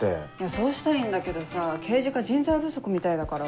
そうしたいんだけどさ刑事課人材不足みたいだから。